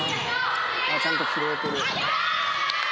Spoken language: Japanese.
ちゃんと拾えてる。